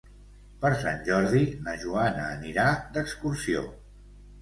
Per Sant Jordi na Joana anirà d'excursió.